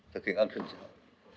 thực hiện an sinh xã hội